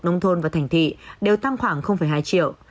nông thôn và thành thị đều tăng khoảng hai triệu